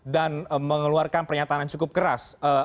dan mengeluarkan pernyataan yang cukup keras